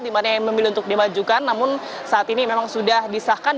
dimana yang memilih untuk dimajukan namun saat ini memang sudah disahkan